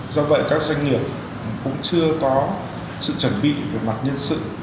do vậy các doanh nghiệp cũng chưa có sự chuẩn bị về mặt nhân sự